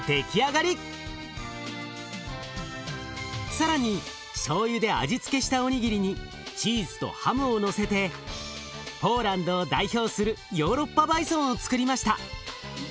更にしょうゆで味付けしたおにぎりにチーズとハムをのせてポーランドを代表するヨーロッパバイソンをつくりました。